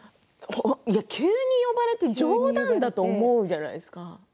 急に呼ばれて冗談だと思うじゃないですか。